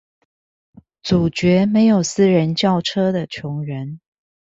阻絕沒有私人轎車的窮人